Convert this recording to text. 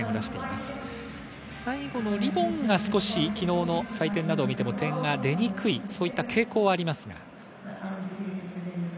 最後のリボンが少し昨日の採点などを見ても点が出にくいそういった傾向があります。